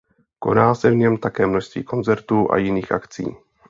Koná se v něm také množství koncertů a jiných akcí.